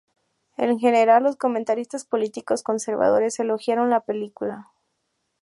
En general, los comentaristas políticos conservadores elogiaron la película.